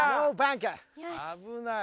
危ない。